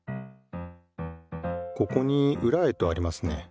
ここに「ウラへ」とありますね。